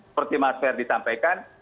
seperti mas ferdis sampaikan